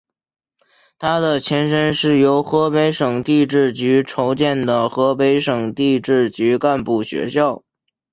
他的前身是由河北省地质局筹建的河北省地质局干部学校。